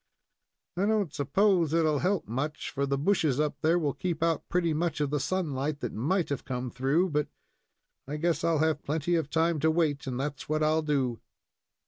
"I don't suppose it will help much, for the bushes up there will keep out pretty much of the sunlight that might have come through; but I guess I'll have plenty time to wait, and that's what I'll do."